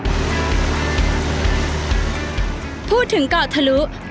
อาหารที่สุดในประวัติศาสตร์